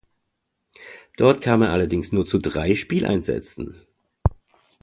Dort kam er allerdings nur zu drei Spieleinsätzen.